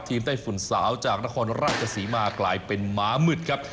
ไต้ฝุ่นสาวจากนครราชศรีมากลายเป็นม้ามืดครับ